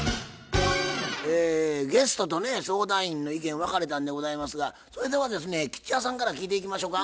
えゲストとね相談員の意見分かれたんでございますがそれではですね吉弥さんから聞いていきましょか。